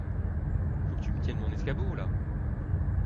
Faut que tu me tiennes mon escabeau, là !